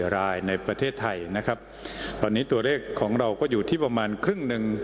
รายในประเทศไทยนะครับตอนนี้ตัวเลขของเราก็อยู่ที่ประมาณครึ่งหนึ่ง